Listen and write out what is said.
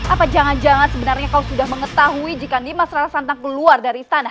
apa jangan jangan sebenarnya kau sudah mengetahui jika di mas rara santang keluar dari sana